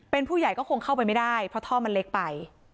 เป็นผู้ใหญ่ก็คงเข้าไปไม่ได้เพราะท่อมันเล็กไป